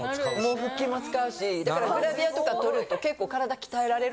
腹筋も使うしだからグラビアとか撮ると結構体鍛えられる？